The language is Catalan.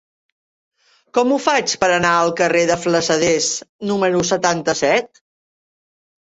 Com ho faig per anar al carrer de Flassaders número setanta-set?